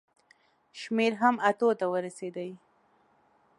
شمېر هم اتو ته ورسېدی.